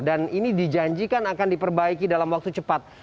dan ini dijanjikan akan diperbaiki dalam waktu cepat